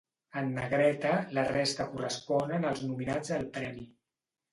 En negreta, la resta corresponen als nominats al premi.